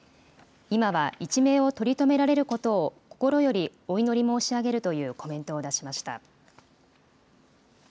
今は一命を取り留められることを心よりお祈り申し上げるというコメントを出しました。